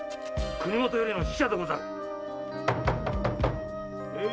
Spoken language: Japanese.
国もとよりの使者でござる。